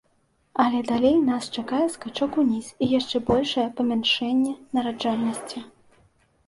Але далей нас чакае скачок уніз і яшчэ большае памяншэнне нараджальнасці.